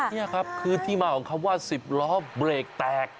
นี่ครับคือที่มาของคำว่า๑๐ล้อเบรกแตก